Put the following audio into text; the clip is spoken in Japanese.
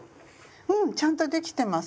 うん！ちゃんとできてます。